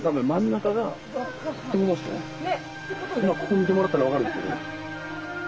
今ここ見てもらったら分かるけど。